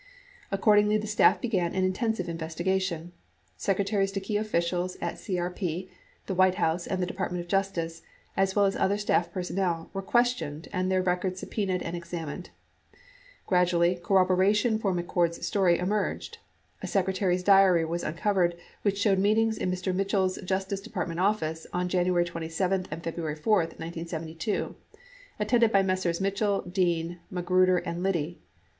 Accordingly, the staff began an intensive investigation. Secretaries to key officials at CRP, the White House and the Department of Jus tice, as well as other staff personnel, were questioned and their records subpenaed and examined. Gradually, corroboration for McCord's story emerged. A secretary's diary was uncovered which showed meetings in Mr. Mitchell's J ustice Department office on January 27 and February 4, 1972, attended by Messrs. Mitchell, Dean, Magruder, and Liddy.